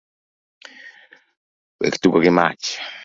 Wek tugo gi mach.